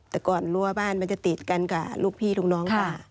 แต่ก่อนรั้วบ้านมันจะติดกันกับลูกพี่ลูกน้องค่ะ